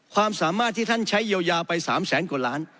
ความสามารถที่ท่านใช้เยียวยาไป๓แสนกว่าล้าน